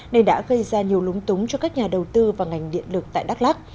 nên đã gây ra nhiều lúng túng cho các nhà đầu tư và ngành điện lực tại đắk lắc